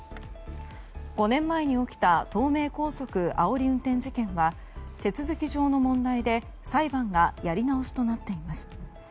５年前に起きた東名高速あおり運転事件は手続き上の問題で裁判がやり直しとなっています。